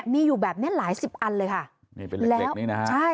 มีอยู่แบบนี้หลาย๑๐อันเลยค่ะเป็นเล็กนี่นะครับ